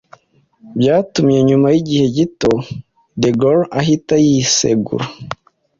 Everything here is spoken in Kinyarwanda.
byatumye nyuma y’igihe gito De Gaulle ahita yisegura